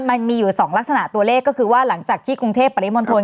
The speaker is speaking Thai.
มันมีอยู่๒ลักษณะตัวเลขก็คือว่าหลังจากที่กรุงเทพปริมณฑล